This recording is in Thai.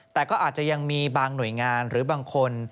แต่ก็อาจจะยังมีบางหน่วยงานหรือบางคน